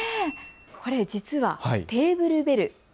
これ実はテーブルベル。